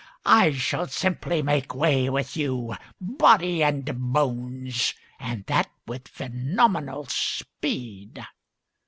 I shall simply make way with you, body and bones, And that with phenomenal speed!"